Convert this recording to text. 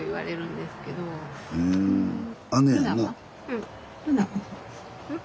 うん。